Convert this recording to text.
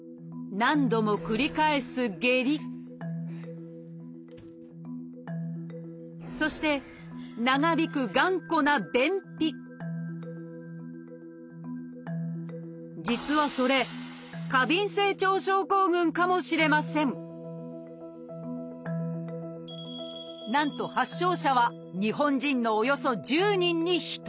何度も繰り返すそして長引く頑固な実はそれ「過敏性腸症候群」かもしれませんなんと発症者は日本人のおよそ１０人に１人。